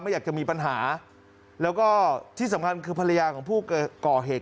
อยากจะมีปัญหาแล้วก็ที่สำคัญคือภรรยาของผู้ก่อเหตุ